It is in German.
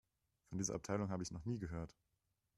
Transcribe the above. Von dieser Abteilung habe ich noch nie gehört.